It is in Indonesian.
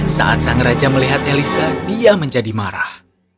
saat sang raja melihat elisa dia menjadi marah